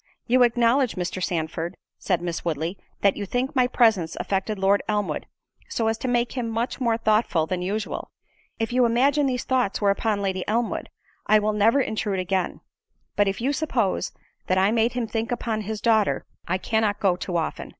"You acknowledge Mr. Sandford," said Miss Woodley, "that you think my presence affected Lord Elmwood, so as to make him much more thoughtful than usual; if you imagine these thoughts were upon Lady Elmwood, I will never intrude again; but if you suppose that I made him think upon his daughter, I cannot go too often."